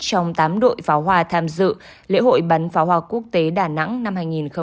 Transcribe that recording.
trong tám đội pháo hoa tham dự lễ hội bắn pháo hoa quốc tế đà nẵng năm hai nghìn hai mươi